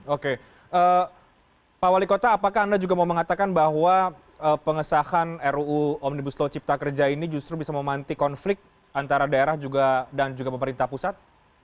oke pak wali kota apakah anda juga mau mengatakan bahwa pengesahan ruu omnibus law cipta kerja ini justru bisa memanti konflik antara daerah dan juga pemerintah pusat